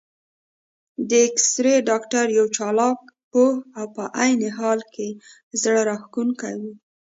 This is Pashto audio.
د اېکسرې ډاکټر یو چالاک، پوه او په عین حال کې زړه راښکونکی و.